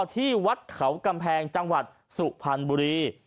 ที่วัดเขากำแพงจังหวัดสุพรรณบุรี